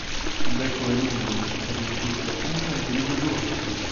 Il becco è lungo, adunco sulla punta e grigio-bluastro.